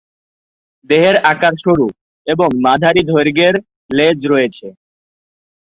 দেহের আকার সরু এবং মাঝারি দৈর্ঘ্যের লেজ রয়েছে।